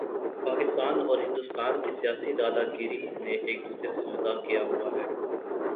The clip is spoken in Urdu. پاکستان اور ہندوستان کی سیاسی دادا گری نے ایک دوسرے سے جدا کیا ہوا ہے